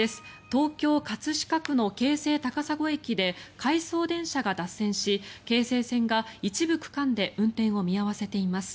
東京・葛飾区の京成高砂駅で回送電車が脱線し京成線が一部区間で運転を見合わせています。